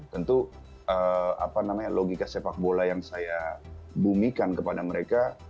tentu logika sepak bola yang saya bumikan kepada mereka